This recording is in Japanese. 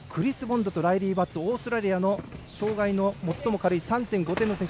ライリー・バットオーストラリアの障がいの最も軽い３．５点の選手